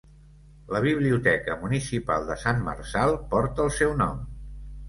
La biblioteca municipal de Sant Marçal porta el seu nom.